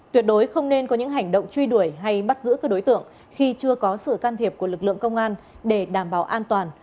tuyệt đối không nên có những hành động truy đuổi hay bắt giữ các đối tượng khi chưa có sự can thiệp của lực lượng công an để đảm bảo an toàn